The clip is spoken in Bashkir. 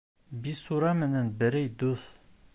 Бисура менән бәрей дуҫ.